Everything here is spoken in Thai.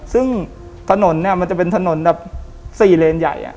ซึ่งถนนเนี่ยมันจะเป็นถนนแบบ๔เลนใหญ่